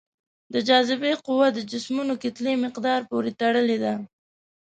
د جاذبې قوه د جسمونو کتلې مقدار پورې تړلې ده.